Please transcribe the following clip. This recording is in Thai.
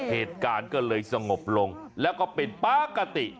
เหตุการณ์ก็เลยสงบลงแล้วก็ปิดปกติ